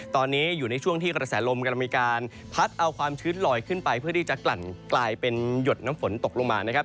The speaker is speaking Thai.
ตอนนี้อยู่ในช่วงที่กระแสลมกำลังมีการพัดเอาความชื้นลอยขึ้นไปเพื่อที่จะกลั่นกลายเป็นหยดน้ำฝนตกลงมานะครับ